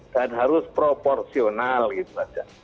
dan harus proporsional gitu aja